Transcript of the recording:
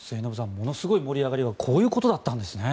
ものすごい盛り上がりはこういうことだったんですね。